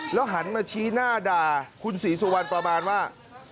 หันมาชี้หน้าด่าคุณศรีสุวรรณประมาณว่า